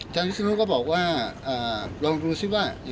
การคุ้มไปทราบและผมดูลองว่า